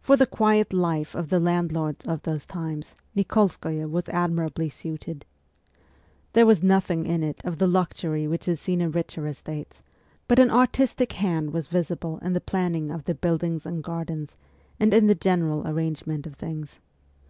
For the quiet life of the landlords of those times Nik61skoye was admirably suited. There was nothing in it of the luxury which is seen in richer estates ; but an artistic hand was visible in the planning of the buildings and gardens, and in the general arrangement of things.